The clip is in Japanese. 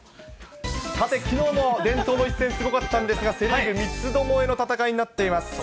さて、きのうの伝統の一戦すごかったんですが、セ・リーグ三つどもえの戦いになっています。